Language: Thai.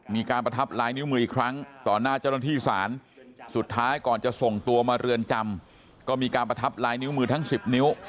มีการประทับลายนิ้วมืออีกครั้งต่อหน้าเจ้าหน้าที่ศาลสุดท้ายก่อนจะส่งตัวมาเรือนจำก็มีการประทับลายนิ้วมือทั้ง๑๐นิ้ว